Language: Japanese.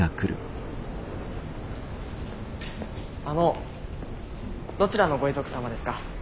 あのどちらのご遺族様ですか？